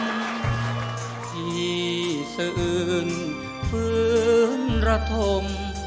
ที่อื่นฟื้นระทม